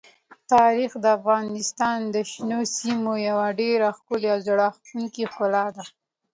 تاریخ د افغانستان د شنو سیمو یوه ډېره ښکلې او زړه راښکونکې ښکلا ده.